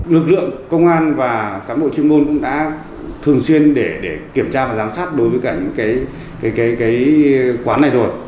lực lượng công an và cán bộ chuyên môn cũng đã thường xuyên để kiểm tra và giám sát đối với cả những quán này rồi